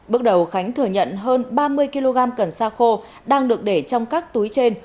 bước đầu khánh thừa nhận hơn ba mươi kg cần sa khô đang được để trong các túi trên